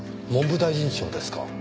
文部大臣賞ですか。